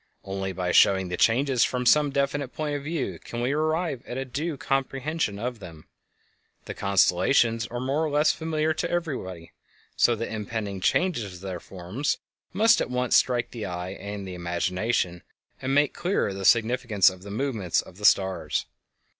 Only by showing the changes from some definite point of view can we arrive at a due comprehension of them. The constellations are more or less familiar to everybody, so that impending changes of their forms must at once strike the eye and the imagination, and make clearer the significance of the movements of the stars.